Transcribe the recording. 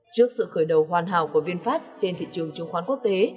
trước sự khởi đầu hoàn hảo của vinfast trên thị trường chứng khoán quốc tế